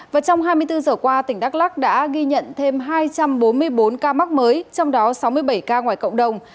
và trong hai mươi bốn giờ qua tỉnh đắk lắc đã ghi nhận thêm hai trăm bốn mươi bốn ca mắc mới trong đó sáu mươi bảy ca ngoài cộng đồng